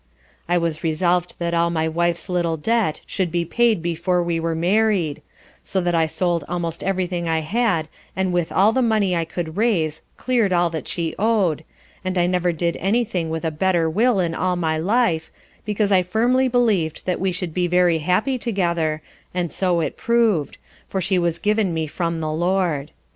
I was resolved that all my wife's little debt should be paid before we were married; so that I sold almost every thing I had and with all the money I could raise cleared all that she owed, and I never did any thing with a better will in all my Life, because I firmly believed that we should be very happy together, and so it prov'd, for she was given me from the LORD.